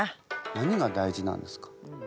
何が大事なんですか？